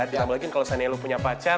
terlebih lagi kalau sanya lo punya pacar